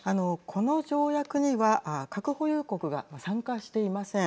この条約には核保有国が参加していません。